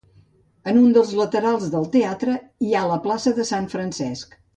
En un dels laterals del teatre hi ha la plaça de Sant Francesc.